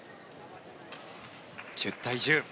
１０対１０